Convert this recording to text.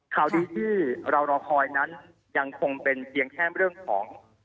ข่าวดีที่เรารอคอยนั้นยังคงเป็นเพียงแค่เรื่องของ